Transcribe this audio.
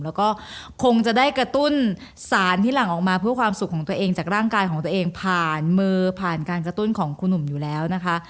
แล้วก็คงจะได้กระตุ้นสารที่หลังออกมาเพื่อความสุขของตัวเองจากร่างกายของตัวเองผ่านมือผ่านการกระตุ้นของครูหนุ่มอยู่แล้วนะคะ